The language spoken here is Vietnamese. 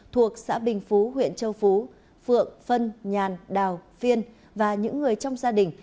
thuộc xã bình phú huyện châu phú phượng phân nhàn đào phiên và những người trong gia đình